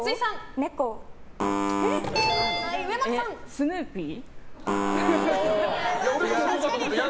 スヌーピー？